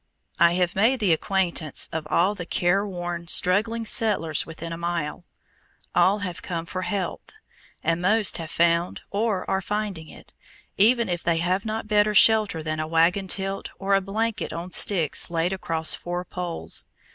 I have made the acquaintance of all the careworn, struggling settlers within a walk. All have come for health, and most have found or are finding it, even if they have not better shelter than a wagon tilt or a blanket on sticks laid across four poles.